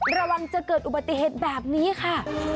ระวังจะเกิดอุบัติเหตุแบบนี้ค่ะ